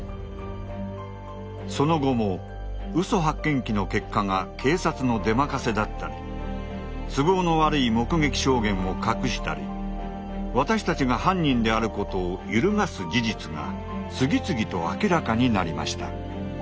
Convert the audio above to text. その後も嘘発見器の結果が警察の出任せだったり都合の悪い目撃証言を隠したり私たちが犯人であることを揺るがす事実が次々と明らかになりました。